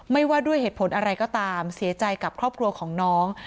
ว่าด้วยเหตุผลอะไรก็ตามเสียใจกับครอบครัวของน้อง